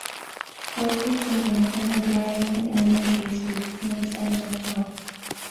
Local children attend the Darlington Elementary School near the center of town.